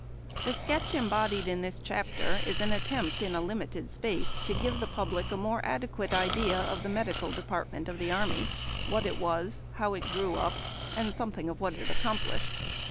HE sketch embodied in this chapter is an attempt in a limited s})ace to give the public a more adequate idea of the medical department of the army, what it was, how it grew up, and something of what it ac complished.